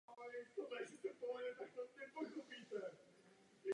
Je také autorem několika publikaci z oblasti metodiky hudební výchovy a hudebního života.